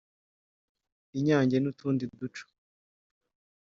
Inyange n’utundi duco